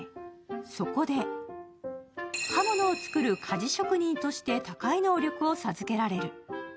そこで、刃物を作る鍛冶職人として高い能力を授けられる。